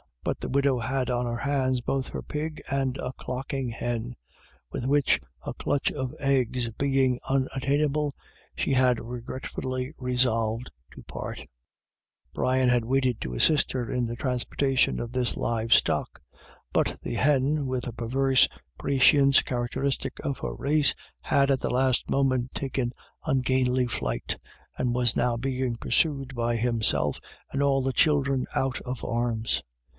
But the widow had on hands both her pig, and a clocking hen, with which, a clutch of eggs being unattainable, she had regretfully resolved to part Brian had waited to assist her in the transportion of this live stock ; but the hen, with a perverse prescience characteristic of her race, had at the last moment taken ungainly flight, and was now being pursued by himself and all the children out of arms.